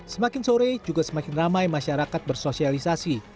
semakin sore juga semakin ramai masyarakat bersosialisasi